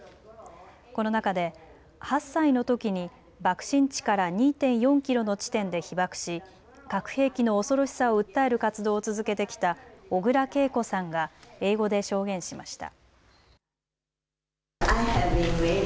この中で８歳のときに爆心地から２．４キロの地点で被爆し核兵器の恐ろしさを訴える活動を続けてきた小倉桂子さんが英語で証言しました。